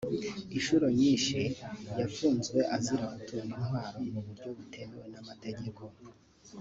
Inshuro nyinshi yafunzwe azira gutunga intwaro mu buryo butemewe n’amategeko